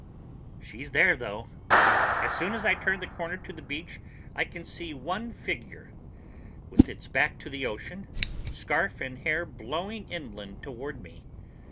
She's there, though. As soon as I turn the corner to the beach, I can see one figure, with its back to the ocean, scarf and hair blowing inland toward me.